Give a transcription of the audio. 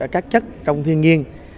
các chất trong thiên nhiên